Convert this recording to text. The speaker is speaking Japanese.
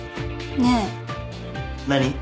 ねえ。何？